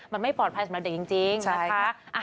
มันไม่ปลอดภัยสำหรับเด็กจริงนะคะ